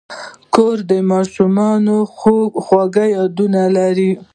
کور د ماشومتوب خواږه یادونه لري.